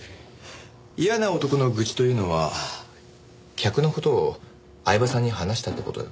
嫌な男の愚痴というのは客の事を饗庭さんに話したって事？